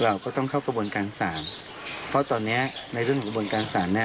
เราก็ต้องเข้ากระบวนการศาลเพราะตอนเนี้ยในเรื่องของกระบวนการสารเนี้ย